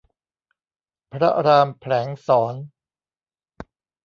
พระรามแผลงศร